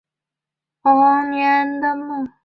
亮竿竹为禾本科井冈寒竹属下的一个种。